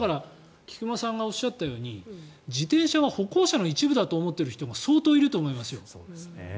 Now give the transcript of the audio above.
だから菊間さんがおっしゃるように自転車は歩行者の一部だと思っている人が相当いると思いますよ。